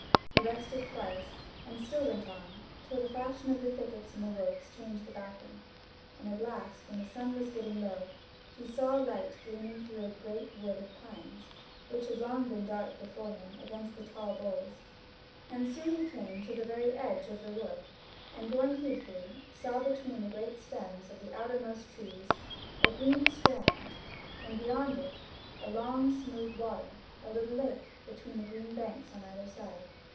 He rested twice and still went on, till the fashion of the thickets and the woods changed about him; and at last when the sun was getting low, he saw light gleaming through a great wood of pines, which had long been dark before him against the tall boles, and soon he came to the very edge of the wood, and going heedfully, saw between the great stems of the outermost trees, a green strand, and beyond it a long smooth water, a little lake between green banks on either side.